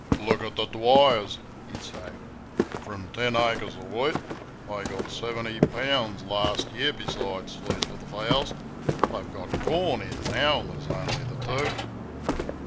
"Look at the Dwyers," he'd say; "from ten acres of wheat they got seventy pounds last year, besides feed for the fowls; they've got corn in now, and there's only the two."